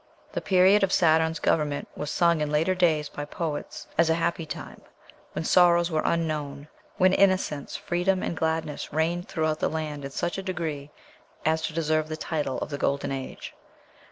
The period of Saturn's government was sung in later days by poets as a happy time, when sorrows were unknown, when innocence, freedom, and gladness reigned throughout the land in such a degree as to deserve the title of the Golden Age."